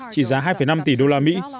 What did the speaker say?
chỉ giá hai năm tỷ đô la mỹ